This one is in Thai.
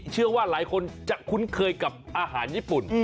เชื่อว่าหลายคนจะคุ้นเคยกับอาหารญี่ปุ่น